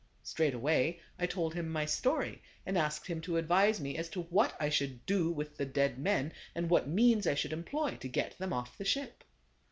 Straightway I told him my story, and asked him to advise me as to what I should do with the dead men and what means I should employ to get them off the ship.